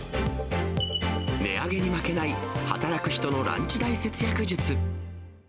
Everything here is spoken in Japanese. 値上げに負けない働く人のランチ代節約術。